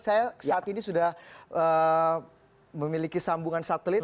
saya saat ini sudah memiliki sambungan satelit